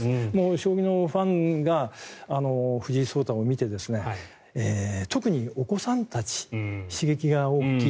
将棋のファンが藤井聡太を見て特にお子さんたち刺激が大きい。